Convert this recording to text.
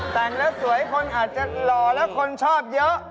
แต่งแล้วสวยคนอาจจะหล่อแล้วคนชอบเยอะ